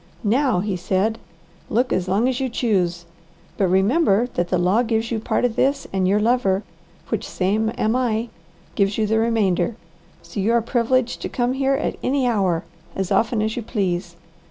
"Now," he said, "look as long as you choose. But remember that the law gives you part of this and your lover, which same am I, gives you the remainder, so you are privileged to come here at any hour as often as you please.